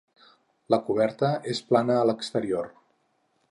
La coberta és plana a l’exterior.